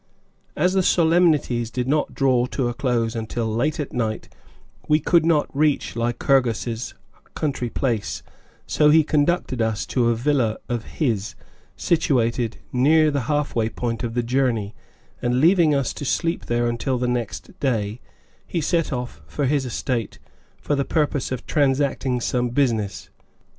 As the solemnities did not draw to a close until late at night, we could not reach Lycurgus' country place, so he conducted us to a villa of his, situated near the halfway point of the journey, and, leaving us to sleep there until the next day, he set off for his estate for the purpose of transacting some business.